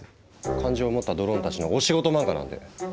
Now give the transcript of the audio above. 感情を持ったドローンたちのお仕事漫画なんで！